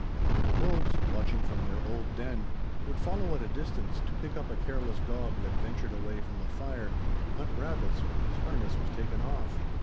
The wolves, watching from their old den, would follow at a distance to pick up a careless dog that ventured away from the fire to hunt rabbits when his harness was taken off.